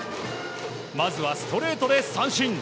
まずはストレートで三振。